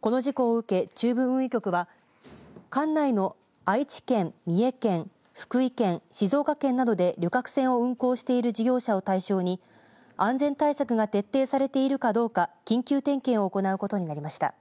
この事故を受け中部運輸局は管内の愛知県、三重県、福井県、静岡県などで旅客船を運航している事業者を対象に安全対策が徹底されているかどうか緊急点検を行うことになりました。